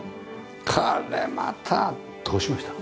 これまた！どうしました？